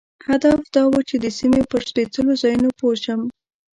هدف دا و چې د سیمې پر سپېڅلو ځایونو پوه شم.